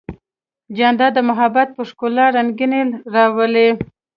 جانداد د محبت په ښکلا رنګینی راولي.